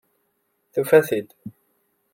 Tufa-t-id.